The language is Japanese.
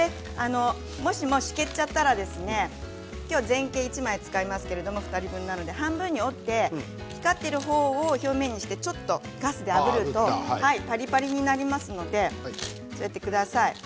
もしも、しけっちゃったら今日は全形を１枚使いますが２人分なので半分に折って光っている方表面にして、ガスであぶるとパリパリになりますのでそうやってください。